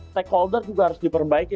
stakeholder juga harus diperbaiki